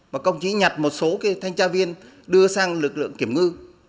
và công chí nhặt một số thanh tra viên đưa sang lực lượng kiểm ngư